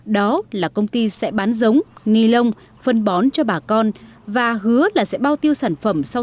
đó là công ty sẽ bán giống nilon phân bón cho bà con và hứa là sẽ bao tiêu sản phẩm